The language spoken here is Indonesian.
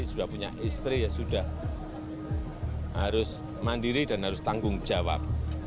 sudah punya istri ya sudah harus mandiri dan harus tanggung jawab